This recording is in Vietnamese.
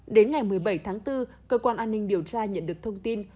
đến ngày một mươi bảy tháng bốn cơ quan an ninh điều tra nhận được thông tin